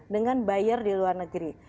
dengan buyer di luar negeri